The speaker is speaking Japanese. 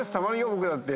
僕だって。